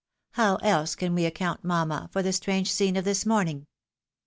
How else can we account, mamma, for the strange scene of this morning